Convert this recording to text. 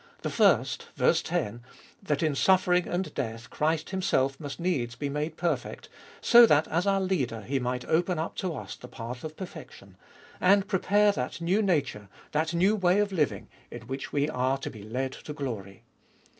The first (v. 10), that in suffering and death Christ Himself must needs be made perfect, so that as our Leader He might open up to us the path of perfection, and prepare that new nature, that new <Ibe Doliest of ail 77 way of living, in which we are to be led to glory.